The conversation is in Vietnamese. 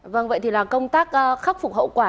vâng vậy thì là công tác khắc phục hậu quả